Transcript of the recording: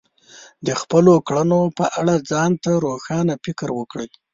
د خپلو کړنو په اړه ځان ته روښانه فکر وکړئ.